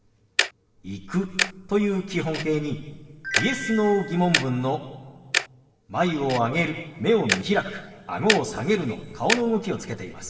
「行く」という基本形にＹｅｓ−Ｎｏ疑問文の眉を上げる目を見開くあごを下げるの顔の動きをつけています。